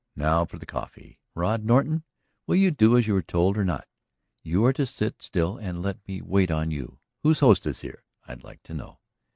Now for the coffee. ... Rod Norton, will you do as you are told or not? You are to sit still and let me wait on you; who's hostess here, I'd like to know?"